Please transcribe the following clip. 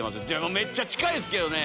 めっちゃ近いっすけどね。